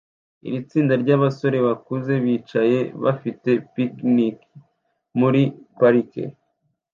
Iri tsinda ryabasore bakuze bicaye bafite picnic muri parike